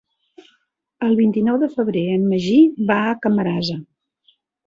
El vint-i-nou de febrer en Magí va a Camarasa.